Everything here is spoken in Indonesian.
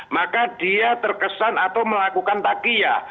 maka dia terkesan atau melakukan takiyah